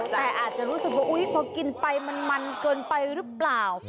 แต่อาจจะรู้สึกว่าอุ๊ยพอกินไปมันมันเกินไปรึเปล่า